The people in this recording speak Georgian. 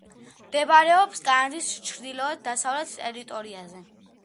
მდებარეობს კანადის ჩრდილო-დასავლეთ ტერიტორიაზე.